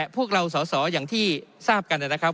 พวกเราสอสออย่างที่ทราบกันนะครับ